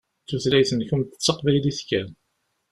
Tutlayt-nkent d taqbaylit kan.